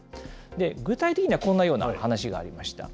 具体的にはこんなような話がありました。